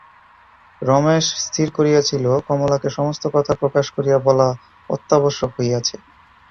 রমেশ স্থির করিয়াছিল, কমলাকে সমস্ত কথা প্রকাশ করিয়া বলা অত্যাবশ্যক হইয়াছে।